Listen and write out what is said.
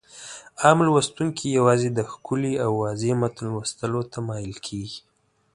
عام لوستونکي يوازې د ښکلي او واضح متن لوستلو ته مايل کېږي.